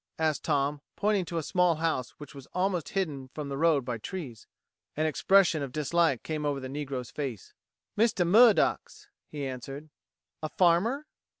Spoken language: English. asked Tom, pointing to a small house which was almost hidden from the road by trees. An expression of dislike came over the negro's face. "Mistah Murdock's," he answered. "A farmer?"